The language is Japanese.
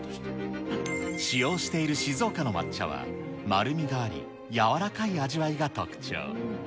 使用している静岡の抹茶は、丸みがあり、柔らかい味わいが特徴。